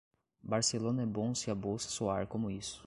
Barcelona é bom se a bolsa soar como isso.